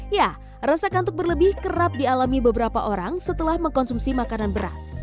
ya rasa kantuk berlebih kerap dialami beberapa orang setelah mengkonsumsi makanan berat